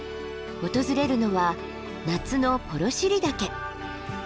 訪れるのは夏の幌尻岳。